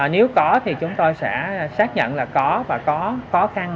nếu có thì chúng tôi sẽ xác nhận là có và có khó khăn